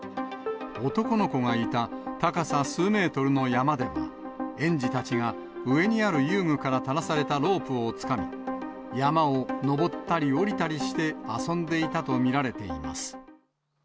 男の子がいた高さ数メートルの山では、園児たちが上にある遊具から垂らされたロープをつかみ、山を登ったり下りたりして遊んでいたと見られています。